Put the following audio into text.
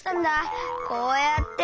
こうやって。